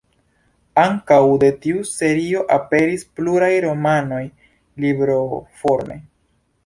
Ankaŭ de tiu serio aperis pluraj romanoj libroforme.